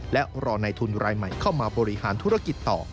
และรอในทุนรายใหม่เข้ามาบริหารธุรกิจต่อ